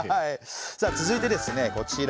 続いてですねこちら。